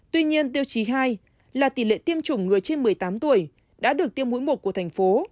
tuy nhiên tiêu chí hai là tỷ lệ tiêm chủng người trên một mươi tám tuổi đã được tiêm mũi một của thành phố